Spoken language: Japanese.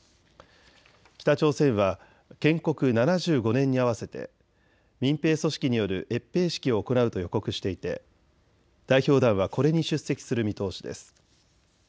北朝鮮は建国７５年に合わせて民兵組織による閲兵式を行うと予告していて代表団はこれに出席する見通しです。